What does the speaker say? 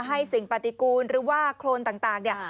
ให้สิ่งปฏิกูลหรือว่าโครนต่างเนี่ย